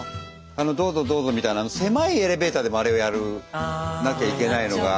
あの「どうぞどうぞ」みたいなあの狭いエレベーターでもあれをやらなきゃいけないのが。